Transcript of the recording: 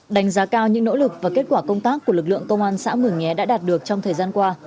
đánh giá cao những nỗ lực và kết quả công tác của lực lượng công an xã mường nhé đã đạt được trong thời gian qua